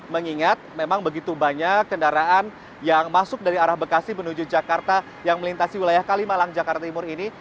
mengingat memang begitu banyak kendaraan yang masuk dari arah bekasi menuju jakarta yang melintasi wilayah kalimalang jakarta timur ini